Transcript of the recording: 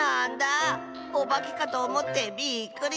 おばけかとおもってびっくりしたオバ。